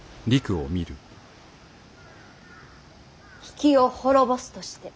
比企を滅ぼすとして。